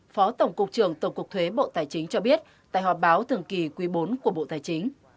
phó tổng cục trưởng tổng cục thuế bộ tài chính cho biết tại họp báo thường kỳ quý bốn của bộ tài chính